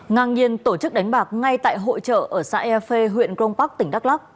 ngang nhiên tổ chức đánh bạc ngay tại hội trợ ở xã efe huyện grongpac tỉnh đắk lắc